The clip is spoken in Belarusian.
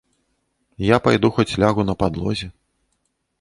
Я пайду хоць лягу на падлозе.